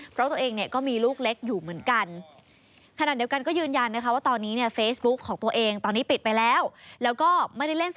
เพราะตัวเองเนี่ยก็มีลูกเล็กอยู่เหมือนกัน